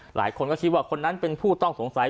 หลายคนก็คิดว่าคนนั้นเป็นผู้ต้องสงสัย